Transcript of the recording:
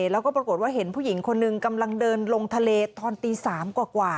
แล้วก็ปรากฏว่าเห็นผู้หญิงคนหนึ่งกำลังเดินลงทะเลตอนตี๓กว่า